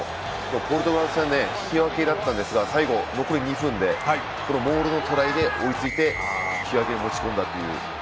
ポルトガル戦で引き分けだったんですが最後、残り２分でモールのトライで追いついて、引き分けに持ち込んだという。